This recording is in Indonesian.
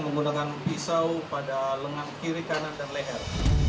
menggunakan pisau pada lengan kiri kanan dan leher